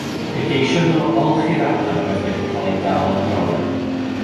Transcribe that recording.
Fe geision nhw olchi'r adar oedd wedi cael eu dal yn yr olew.